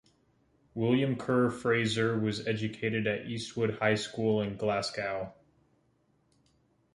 William Kerr Fraser was educated at Eastwood High School in Glasgow.